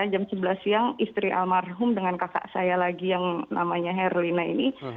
jam sebelas siang istri almarhum dengan kakak saya lagi yang namanya herlina ini